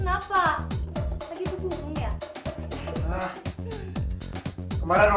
bapak kamu kok diem aja sih